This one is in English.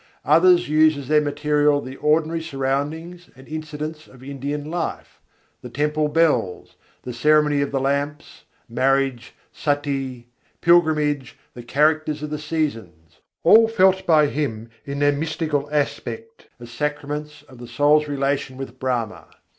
Others use as their material the ordinary surroundings and incidents of Indian life: the temple bells, the ceremony of the lamps, marriage, suttee, pilgrimage, the characters of the seasons; all felt by him in their mystical aspect, as sacraments of the soul's relation with Brahma.